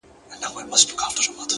افسوس كوتر نه دى چي څوك يې پـټ كړي،